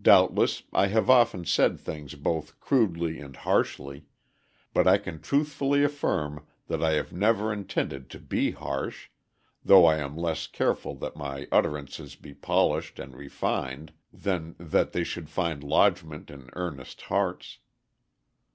Doubtless I have often said things both crudely and harshly, but I can truthfully affirm that I have never intended to be harsh, though I am less careful that my utterances be polished and refined than that they should find lodgment in earnest hearts.